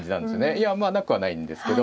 いやまあなくはないんですけど。